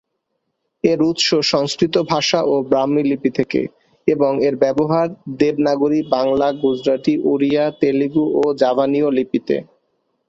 এর উৎস সংস্কৃত ভাষা ও ব্রাহ্মী লিপি থেকে এবং এর ব্যবহার দেবনাগরী, বাংলা, গুজরাটি, ওড়িয়া, তেলুগু ও জাভানীয় লিপিতে।